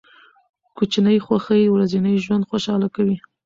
کوچني خوښۍ ورځنی ژوند خوشحاله کوي.